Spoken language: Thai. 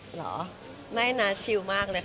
เหรอไม่นะชิลมากเลยค่ะ